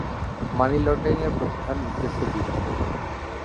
মানি লন্ডারিং-এর প্রধান উদ্দেশ্য দুটি।